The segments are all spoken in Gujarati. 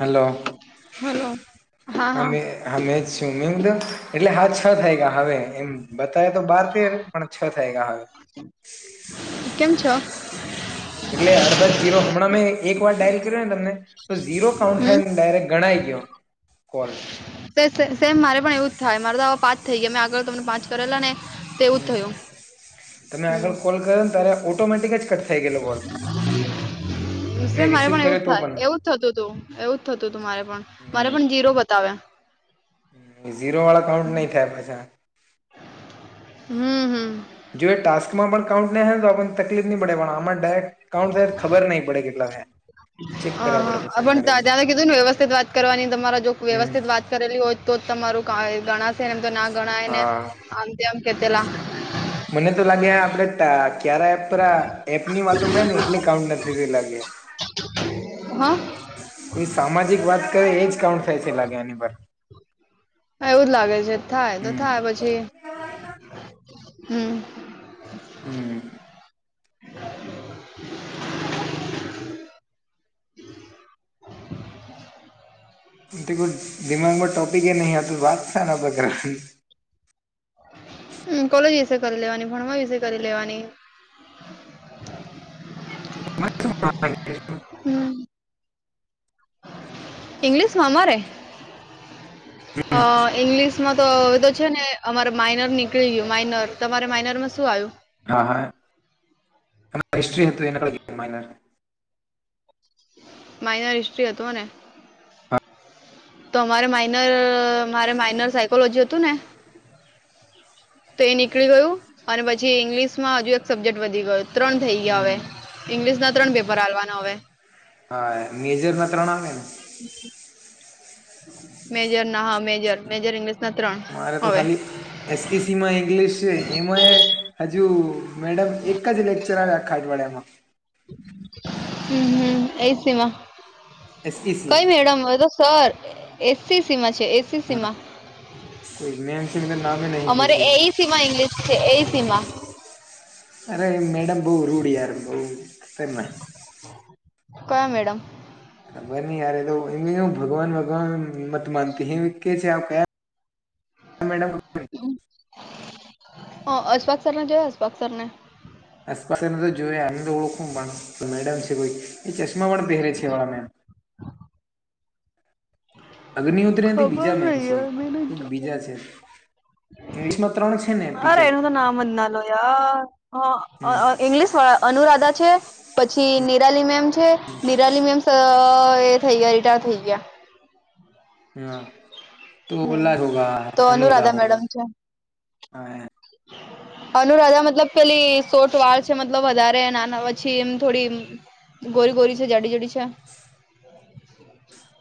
હલો હલો હા હા હમી હા મે જ છે ને પણ એટલે હા છ વાયગા હવે એમ બતાવે તો બાર તેર પણ છ થયલા હોય. કેમ છો? એટલે હળદર, જીરો હમણાં મેં એક વાર ડાયલ કર્યો ને તમને તો ઝીરો કાઉન્ટ હમ થાય ને ડાયરેક્ટ ગણાય ગયો કોલ. સે-સે સેમ મારે પણ એવું જ થાય, મારે તો એવા પાંચ થઈ ગયા, મેં આગળ તમને પાંચ કરેલા ને. તો એવું જ હમ્મ. થયું તમે આગળ કોલ કર્યો ને ત્યારે ઓટોમેટિક જ કટ થઈ ગયેલો કોલ સર મેં માર રિસીવ માં એવું કર્યો તો થાય પણ એવું થતું હતું એવું જ થતું હતું મારે પણ ઝીરો બતાવે. હમમ ઝીરો વાળા કાઉન્ટ નય થાય પાછા. હમમ હમમ. જો એ ટાસ્કમાં પણ કાઉન્ટ નય હોય તો આપણ ને તકલીફ ની પડે પણ આમાં ડાયરેક્ટ કાઉન્ટ સર ખબર નય પડે કેટલા થાય. અહ આપન [unintelligible] ને કીધું ને વ્યવસ્થિત વાત કરવાની, તમારા જો હમ વ્યવસ્થિત વાત કરેલી હોય તો તમારું કાઈ ગણાશે, ને એમ તો ના ગણાય ને, હા આમ તેમ કે પેલા મને તો લાગે આપડે ટા ક્યારે એપરા એપ ની વાતો કરી ને એટલે કાઉન્ટ નથી થયું લાગે. હા કોઈ સામાજિક વાત કરે એજ કાઉન્ટ થાય છે, લાગે એની પર. હા એવું જ લાગે છે, થાય તો હમ થાય પછી હમ હમ્મ. [unintelligible] દિમાગમાં ટોપિકેય નહીં, તો વાત શાના પર કરવી. હમ્મ. કોલેજ વિશે કરી લેવાની, ભણવા વિશે કરી લેવાની. [inaudible] [inaudible] ઇંગ્લિશમાં અમારે? અહ ઇંગ્લિશ માં તો હવે તો છે ને અમારે માઇનર નીકળી ગયું માઇનર, તમારે માઇનરમાં શું આયું? હા, હા, [inaudible] હિસ્ટ્રી હતું, એના પર ગયું માઈનર. માઇનર હિસ્ટ્રી હતો ને? તો અમારે માઇનર, મારે માઇનર સાયકોલોજી હતું ને તો એ નીકળી ગયું, અને પછી ઈંગ્લિશ માં હજુ એક સબ્જેક્ટ વધી ગયો, ત્રણ થઈ ગયા હવે. ઈંગ્લિશ ના ત્રણ પેપર હાલવાનો હવે. હા એ. મેજરમાં ત્રણ આવેન? મેજર ના, હા મેજર, મેજર ઈંગ્લિશ મારે તો ખાલી એસ સી સી માં ઇંગ્લિશ સે, એમાંય હજુ મેડમ એક જ લેક્ચર આવે આખા અઠવાડિયામાં. હમ્મ-હમ્મ. એયજ તેમાં. એસઈસી કઈ madam [unintelligible] sir S C C માં છે, એસ હા. કોઈ મેમ છે, મે તો નામ એય નહીં પૂછ્યું. શેમા ઈંગ્લિશ છે એય સીમા? અરે એ મેડમ બોવ રૂડ યાર બહું [unintelligible] કયાં મેડમ? ખબર નહી યાર એ તો, એને હું ભગવાન-ભગવાન મત માનતી [unintelligible] મેડમ અહ અસ્પાકસલરને જોયા અસ્પાકસરને? અસ્પાકસર ને તો જોયા, એમ તો ઓળખું, પણ આ મેડમ છે કોઈ, એ ચશ્મા પણ પહેરે છે એ વાળા મેમ. અગ્નિહોત્રી નથી ખબર બીજા મેમ નહીં છે કોઈ યાર મે નથ જોયા. બીજા છે ઇંગ્લિશમાં ત્રણ છે ને અરે ટીચર એનું તો નામ જ ન લો યાર, હા, હમ હા ઈંગ્લિશ વાળા અનુરાધા છે, પછી નિરાલી મેમ છે, નિરાલી મેમ અહ એ થઈ ગયા, રિટાયર થઈ ગયા. હા. તો હમ ઓલા જ હોગા તો અનુરાધા મેડમ મેમ, છે હા એ. [inaudible] અનુરાધા મતલબ પેલી સોર્ટ વાળ છે, મતલબ વધારે નાના, પછી એમ થોડી ગોરી-ગોરી છે, જાડી-જાડી છે. [inaudible]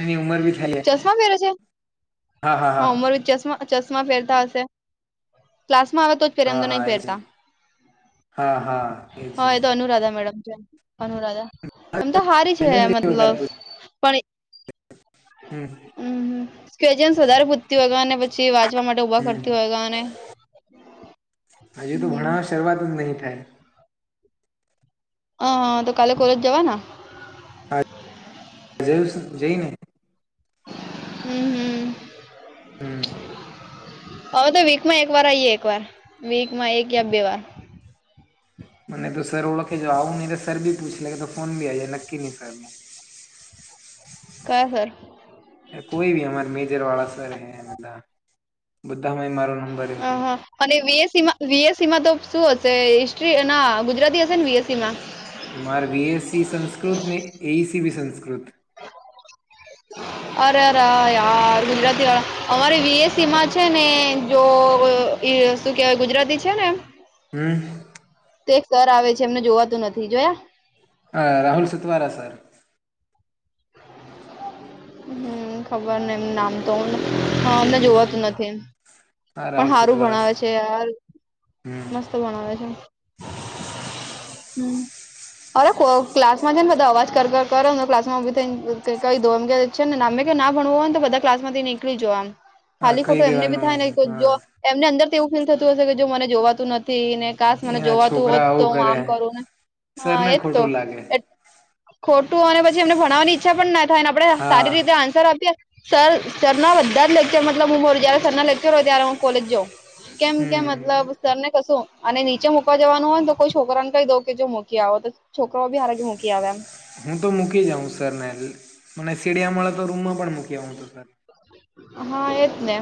એની ઉમર ભી થયેલે ચશ્મા ફેરે છે. હા અમારું ચશ્મા ચશ્મા પહેરતા હશે. ક્લાસમાં આવે તો હા [unintelligible] હા હા નહીં એ છે પહેરતાં. હા હા છે એ તો અનુરાધા મેડમ છે. અનુરાધા, એમ તો હારી છે મેડમ વધારે મતલબ, પણ એ હમ હમ્મ-હમ્મ કેજવાન વધારે પૂછતી હોયગા ને પછી પછી વાંચવા માટે ઊભા હમ કરતી હોયગા ને. હજુ તો ભણવા શરૂઆત જ નહી થાય. હ હા તો કાલે કોલેજ જવાના. જયુંસ જઈ ને. હમ્મ-હમ્મ. હમ હવે તો વીકમાં એક વાર આઈએ એક વાર વીક માં એક યા બે વાર. મને તો સર ઓળખે જો આઉ નહી તો સર બી પૂછ લે કે તો ફોન બી આ નક્કી નઇ સરનું. કયા સર? કોઈ ભી અમા મેજર વાળા સર છે, બધા બધામાય મારો નંબર હતો. હા, હા અને વીએસસી માં તો શું હશે? હિસ્ટ્રી એ ગુજરાતી હશે? ને વીએસસી માં મારે વીએસસી સંસ્કૃત ને એઈસી બી સંસ્કૃત. [inaudible] અરે ર ર યાર, ગુજરાતી વાળ અમારી વિએસસી માં છે ને, જો. એ શું કહેવાય? ગુજરાતી છે ને એમ. હમ. તે એક સર આવે છે, એમને જોવાતું નથી જોયા. રામ સુતવારા સર. હા, ખબર નથી એમનું નામ તો. હું હા, અમને ઓળખું છું જોવાતું નથી. હા પણ રાહુલ સારું સતવારા ભણાવે સર છે યાર, હમ મસ્ત ભણાવે છે. હમ. અરે, ક્લાસમાં છે ને, બધા અવાજ કરો કરો ને, ક્લાસમાં થઈને કહી દઉં એમ કે છે ને, એમને કહે કે, ના ભણવું હોય તો બધા ક્લાસમાંથી નીકળી જાવ. હા આમ કરો કહી તો એમને પણ દેવાનું થાય ને, હા જો એમની અંદર તો એવું ફીલ થતું હશે કે, જો, મને જોવાતું નથી ને કાશ મને એના જોવાતું હોત છોકરા તો આવું હું કરે આમ કરો ને હા સરને એ તો. ખોટું લાગે ખોટું, અને પછી એમને ભણવાની ઈચ્છા પણ ના થાય ને, આપણે હા સારી રીતે આન્સર આપીએ સરના બધા જ લેક્ચર, મતલબ હું હોં, જ્યારે સરના લેક્ચર હોય ત્યારે હું કોલેજ જાઉં. કેમ કે હમ મતલબ? સરને કંઈક નીચે મૂકવા જવાનું હોય તો કોઈ છોકરાને કહી દઉં કે, જો, મૂકી આવો તો. છોકરો [inaudible] મૂકી આવે એમ. હું તો મૂકી જાઉં સરને. મને સીડિયા ઉપરના રૂમમાં પણ મૂકી આવવાનું હોય તો મૂકી આવું, સર. હા, એજને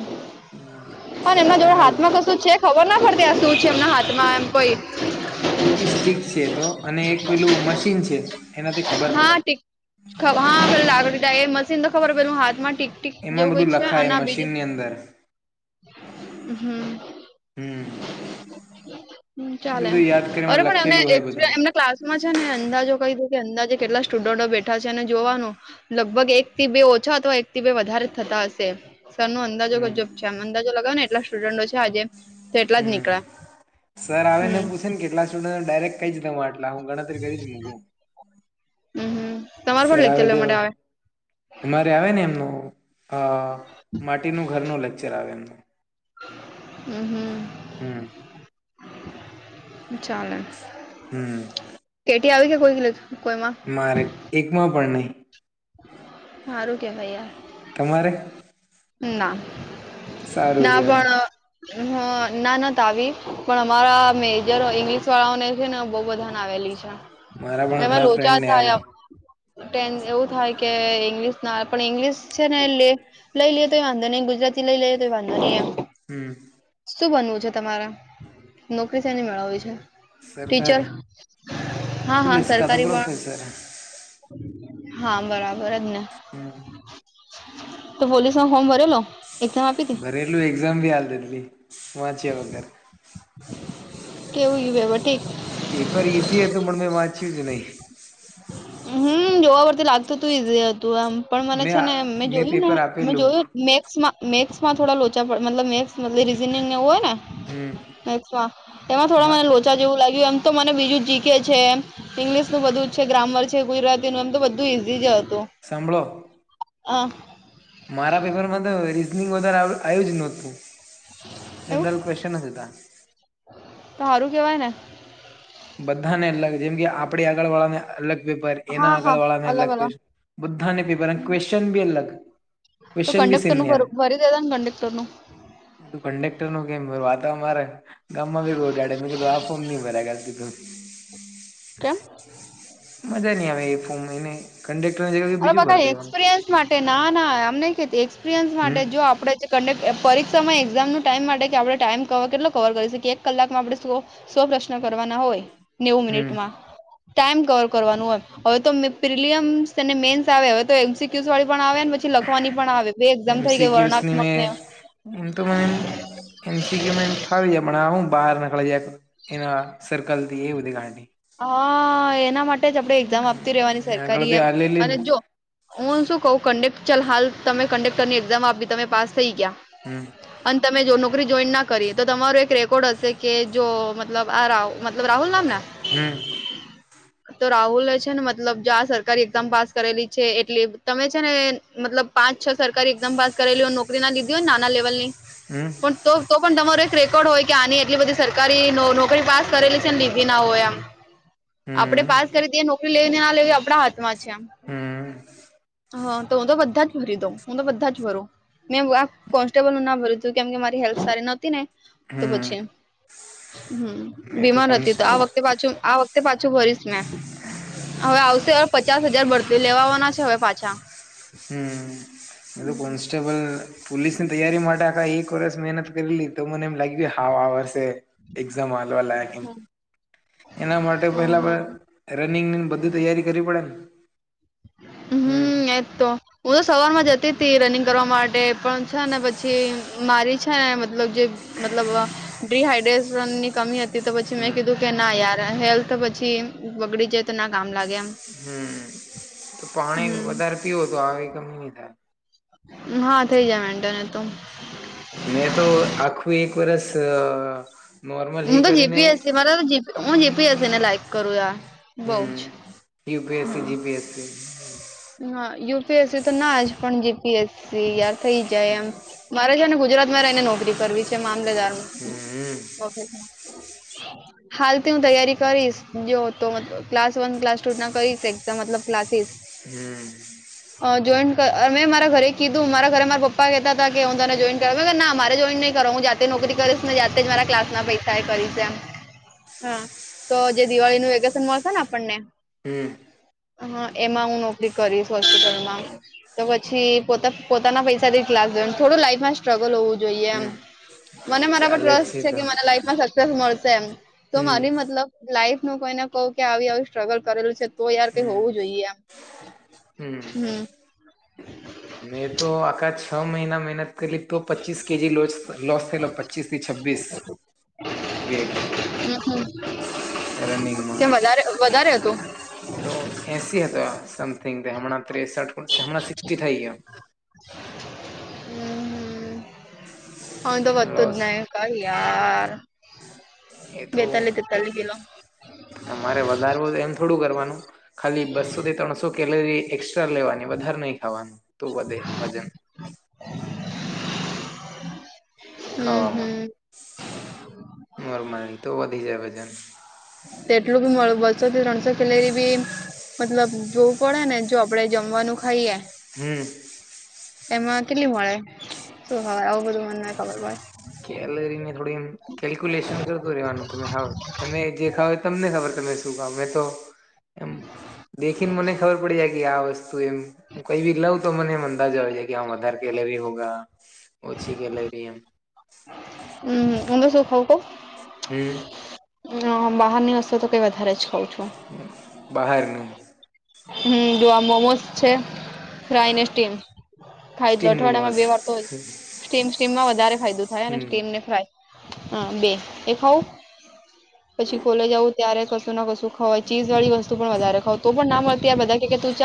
અને સર એમના રાતે જોડે સારું હાથમાં ભણે મારે કશું છે? ખબર ના પડતી એમના હાથમાં શું છે આમ કોઈ ઈ સ્ટીક છે તો અને એક પેલું મશીન છે. એનાથી ખબર હા, પડે ટીક હા એ પેલું મશીન તો ખબર પેલું હાથમાં ટીક ટિક એમાં જેવું કોય બધું છે, લખાય અને આ બીજું... મશીનની અંદર હમ. હમ ચાલે, બધું યાદ અરે કરીમાં પણ લખેલું હે એમને બધું એમ ક્લાસમાં છે ને અંદાજે કહી દો અંદાજે કેટલા સ્ટુડન્ટો બેઠા છે અને જોવાનું લગભગ એકથી બે ઓછા અથવા એકથી બે વધારે થતા હશે સરનું અ અંદાજો કર હમ ચોપ છાન અંદાજો લગાવો ને એટલે સ્ટુડન્ટો જે છે હાજ હમ્મ, સર આવે ને હમ પૂછે ને કેટલા ને ડાયરેક્ટ જ જેટલા હોય એટલાની હું ગણતરી કરી જ લઉં. હમ. હમ. તમારે પણ લેક્ચર સરાવી લેવા માટે દેવું આવે અમારે આવેને એમનું અ માટીનું ઘરનું લેક્ચર આવે એમનું. હમ્મ-હમ્મ. હમ્મ. ચાલે. હમ્મ. કેટી આવી ગયેલી કોઈ [unintelligible] કોઈમાં? મારે એકમાં પણ નહીં. હારું કે ભૈયા. તમારે? ના, સારું ના કેવાય પણ અહ નાનાત આવી, પણ અમારા મેજર ઈંગ્લિશ વાળાઓને છે ને બહુ બધા ને આવેલી. છે. મારા પણ એમાં ઘણા લોચા ફ્રેન્ડને આવી થયાં ટેન એવું થાય કે ઇંગ્લિશ ના, પણ ઇંગ્લિશ છે ને એ લે લઈ લ્યે તોઈ વાંધો નહીં, ગુજરાતી લેઈ લ્યે તોય વાંધો નહીં એમ. હમ્મ. શું બનવું છે તમારે? નોકરી શેની મેળવવી છે? ટીચર? સરકારી હા, હા પોલીસ કા તો સરકારી પણ? પ્રોફેસર હા બરાબર જ ને. હમ્મ. તો પોલીસ નો ફોર્મ ભરેલો? એક્ઝામ આપી તી? રેલ્વે એક્ઝામ ભી હાલ દીધેલી, વાંચ્યા વગર. કેવું ગયું પેપર? ઠીક? પેપર ઇઝી હતું, પણ મે વાંચ્યું જ નહીં. હમ્મ. જોવા પરથી લાગતું તું ઈઝી હતું આમ. પણ મને મેં છે ને મેં જોયું ને પેપર મે આપેલું જોયું મેક્સમાં મેક્સમાં થોડા લોચા પડે મતલબ મેક્સ રીઝનિંગને એવું હોય ને હમ મેક્સમાં, તેમાં થોડા મને લો ચા જેવું લાગ્યું, એમ તો મને બીજું જી કે છે, ઈંગ્લિશનું બધું છે, ગ્રામર છે, ગુજરાતીનું એમ તો બધું ઇઝી જ હતું. સાંભળો હા. મારા પેપરમાં તો રીઝનિંગ વધારે આવ આયું જ નોતું. એવું જનરલ ક્વેશ્ચન જ હતા. તો હારું કેવાય ને. બધાને અલગ જેમ કે આપડી આગળ વાળાને અલગ પેપર, એના આગળ વાળા ને અલગ ક્વેશ, બધાને પેપર અલગ અને ક્વેશ્ચન બી અલગ. તો ક્વેશ્ચન બી સેમ કંડેક્ટરનું નહી આવે ભરું, ભરી દેતાન કંડક્ટરનું. તું કંડેક્ટર નું કેમ ભરવું? આ તો અમારે ગામમાં ભી [unintelligible] મે કીધું આ ફોર્મ નહીં ભરાય [unintelligible] કેમ મજા નઈ આવે એ ફોર્મ એને કંડેક્ટરની જગે અરે બીજું ભર બકા દેવાનું. એક્સપિરિયન્સ માટે ના, ના એમ નહીં કહેતી એક્સપિરિયન્સ હમ માટે. જો આપડે જે કંડક પરીક્ષામાં એક્ઝામનું ટાઈમ માટે કે આપણે ટાઈમ કવર કેટલો કવર કરી શકીએ એક કલાકમાં આપણે સો સો પ્રશ્ન કરવાના હોય નેવું હમ મિનિટમાં ટાઈમ કવર કરવાનું હોય હવે તો મ પ્રિલયમ ને મેન્સ આવે હવે તો એમસીક્યુસ વાળી પણ આવે ને પછી લખવાની પણ આવે બે એક્ઝામ થઈ ગઈ વર્ણાત્મક ને એમતો મેં એમસીકિયું એમ ફાવી જાય પણ આ હું બહાર નીકળી જાય એના સર્કલ થી એ બધી [unintelligible] હા એના માટે જ આપણે એક્ઝામ આપતી રહેવાની આગળ સરકારી બી એમ આ લેલી અને ને જો હું શું કવ ચાલ હાલ તમે કંડેક્ટની એકઝામ આપી તમે પાસ થઈ હમ ગયા તમે જો નોકરી જોઈન ના કરીએ તો તમારો એક રેકોર્ડ હશે કે જો મતલબ આ રાવ મ રાહુલ નામ ને હમ તો રાહુલે છે ને મતલબ જા સરકારી એક્ઝામ પાસ કરેલી છે એટલી તમે છે ને મતલબ પાંચ છ સરકારી એક્ઝામ પાસ કરેલી હોય નોકરી ના લીધી હોય નાના લેવલ ની હમ્મ પણ તો તો પણ તમારો એક રેકોર્ડ હોય કે આની એટલી બધી સરકારી નોકરી પાસ કરેલી લીધી ના હોય એમ આપડે હમ પાસ કરી ત નોકરી લેવી ને ના લેવી આપણા હાથમાં છે આમ હમ હ હું તો બધા જ ભરી દઉં હું તો બધા જ ભરું મેં આ કોન્સ્ટેબલ નું ના ભર્યું હતું કેમ કે મારી હેલ્થ સારી નહોતી ને હમ તો પછી એમ હમ્મ મેં તો બીમાર હતી તો કોન્સ્ટ આ વખતે પાછું આ વખતે પાછું ભરીશ મેં હવે આવશે હ પચાસ હજાર ભર તે લેવાવાના છે હવે પાછા હમ્મ એતો હમ કોન્સ્ટેબલ પોલીસ ની તૈયારી માટે આખા એક વર્ષ મહેનત કરેલી તો મને એમ લાગ્યું હા આ વર્ષે એક્ઝામ હાલવા લાયક એના માટે હમ પેલા હમ રનિંગ ની બધી તૈયારી કરવી પડે એ ને હમમ એ હમ તો હું તો સવારમાં જતી તી રનિંગ કરવા માટે પણ છે ને પછી મારી છે ને મતલબ જે મતલબ ડિહાઈડ્રેશનની કમી હતી તો પછી મેં કીધું કે ના યાર હેલ્થ પછી બગડી જ તો ના કામ લાગે એમ હમમ તો પાણી હમ વધારે પીવો તો આવી કમી નહી થાય. હા થઇ જાય વાંધો નથ. મેં તો આખું એક વરષ અ હું તો જીપીએસી મારા તો હું જીપીએસી ને લાઈક કરું બઉ જ. હમ યુપીએસસી, જીપીએસસી હા યુપીએસસી તો ના જ પણ જીપીએસસી યાર થઇ જાય એમ. મારે છે ને ગુજરાત માં રહીને નોકરી કરવી છે મામલેદાર હમ ઓફીસ [inaudible] હાલથી હું તૈયારી કરીશ જો તો મત ક્લાસ વન ક્લાસ ટુ ના કરીશ એકઝામ મતલબ ક્લાસીસ હમમ. અ જોઈન મેં મારા ઘરે કીધું મારા ઘરે મારા પપ્પા કહેતા હતા કે હું તને જોઈન કરવું ના મારે જ જોઈન નય કરવું હું જાતે નોકરી કરીશ ને જાતે જ મારા ક્લાસ ના પૈસા ટાય કરીસ એમ હા તો જે દિવાળી નું વેકેશન મળશે ને આપણને હમમ. હા એમાં હું નોકરી કરીશ હોસ્પિટલમાં. તો પછી પોતા પોતાના પૈસાથી ક્લાસ જોઈન થોડું લાઈફમાં સ્ટ્રગલ હોવું જોઈએ એમ હમ મને મારા પર ચાલે ટ્રસ્ટ છે તો કે મને લાઈફ મને સક્સેસ મળશે એમ તો હમ મારી મતલબ લાઈફ નું કોઈને કહું કે આવી આવી સ્ટ્રગલ કરેલું છે. તો યાર કઈ હોવું જોઈએ આમ. હમ્મ મેં તો આખા છ મહિના મહેનત કરેલી તો પચીસ કે જી લોસ લોસ થયેલો પચીસ થી છબ્બવીસ વેટ. હમ રનિંગમાં. કેમ વધારે વધારે હતું. તો એસી હતો આમ સમથિંગ હમણાં ત્રેસઠ હમણાં સિક્સટી થઈ ગ્યો. મારું તો વદતું લોસ જ નઈ કાંઈ યાર એ તો બેતાલી તેતાલી કિલો. તમારે વધારવું તો એમ થોડું કરવાનું ખાલી બસો થી ત્રણસો કેલરી એ એક્સ્ટ્રા લેવાની વધારે નહી ખાવાનું તો વધે વજન. હમ હમ ખાવામાં નોર્મલી તો વધી વજન. તેટલું બી મારૂ બસો થી ત્રણસો કેલેરી બી મતલબ જોવું પડે ને જો આપડે જમવાનું ખાઈએ હમ્મ. એમાં કેટલી મળે શું ખબર આવું બધું મને નઈ ખબર પડે. કેલરી ને થોડી એમ કેલ્ક્યુલેશન કરતું રેવાનું તમે હાવ તમે જે ખાવ તમને ખબર તમે શું ખાઓ મેં તો એમ દેખીને મને ખબર પડી જાય કે આ વસ્તુ તો એમ કઈ બી લઉં તો મને એમ અંદાજ આવે જાય કે આ વધારે કેલરી હોગા. ઓછી કેલેરી એમ. હમ્મ હું તો શું ખઉં કહુ. હમ્મ. ને હું બહારની વસ્તુ તો કઈ વધારે જ ખઉ છું. હમ્મ બહારનું હમ્મ, જો આ મોમોસ છે ફ્રઇ ને હા સ્ટીમ ખાઈદ સ્ટીમ અઠવાડિયામાં મોમોસ બે વાર તો સ્ટીમ સ્ટીમમાં વધારે ફાયદો થાય અને હમ સ્ટીમ ને ફ્રાય હા, બે એ ખાવ પછી સ્કૂલે જાવું ત્યારે કશું ના કશું ખવાય, ચીઝ વાળી વસ્તુ પણ વધારે ખાવ તો પણ હમ ના મળતી હોય તો બધા કેહ તું